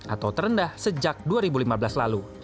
atau terendah sejak dua ribu lima belas lalu